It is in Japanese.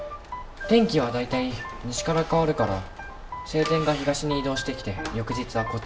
天気は大体西から変わるから晴天が東に移動してきて翌日はこっちも晴れる。